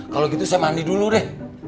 kalau gitu saya mandi dulu deh